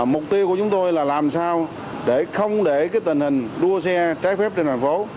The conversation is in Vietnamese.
mục tiêu của chúng tôi là làm sao để không để tình hình đua xe trái phép trên thành phố